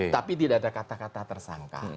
tapi tidak ada kata kata tersangka